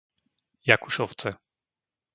Jakušovce